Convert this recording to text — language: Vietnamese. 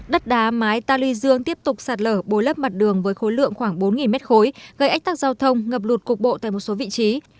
đất đá mái ta lư dương tiếp tục sạt lở bối lớp mặt đường với khối lượng khoảng bốn m ba gây ách tăng giao thông ngập lụt cục bộ tại một số vị trí